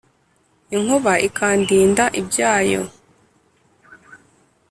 inkuba ikandinda ibyayo,